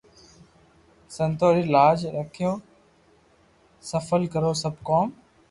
سنتو ري لاج رکو سفل ڪرو سب ڪوم